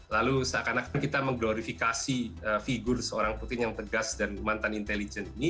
lalu seakan akan kita mengglorifikasi figur seorang putin yang tegas dan mantan intelijen ini